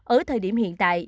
ở thời điểm hiện tại